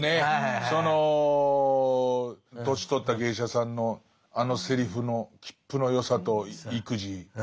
その年取った芸者さんのあのセリフのきっぷのよさと意気地。